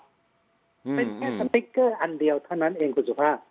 เป็นแค่สติ๊กเกอร์อันเดียวเท่านั้นเองคุณสุภาพ